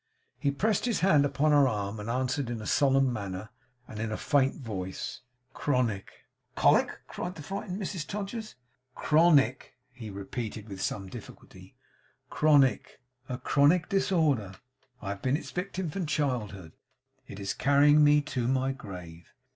He pressed his hand upon her arm, and answered in a solemn manner, and a faint voice, 'Chronic.' 'Cholic?' cried the frightened Mrs Todgers. 'Chron ic,' he repeated with some difficulty. 'Chron ic. A chronic disorder. I have been its victim from childhood. It is carrying me to my grave.